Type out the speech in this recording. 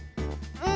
うん。